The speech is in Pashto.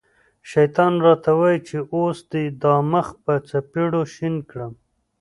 شیطان را ته وايي چې اوس دې دا مخ په څپېړو شین کړم.